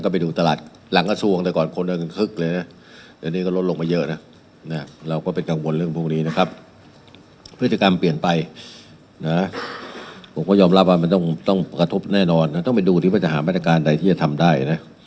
ผมก็ยอมรับว่ามันต้องกระทบแน่นอนต้องไปดูที่พฤษฐานแม่นการใดที่จะทำได้